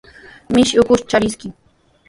Mishi ukushta charishqa.